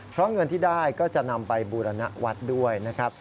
เพราะเงินที่ได้ก็จะนำไปบูรณวัฒน์ด้วยนะครับ